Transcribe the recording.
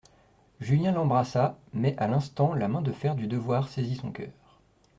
Julien l'embrassa, mais à l'instant la main de fer du devoir saisit son coeur.